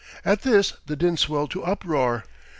At this the din swelled to uproar.